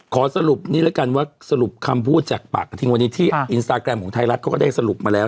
ขอสรุปนี้แล้วกันว่าสรุปคำพูดจากปากกระทิงวันนี้ที่อินสตาแกรมของไทยรัฐเขาก็ได้สรุปมาแล้ว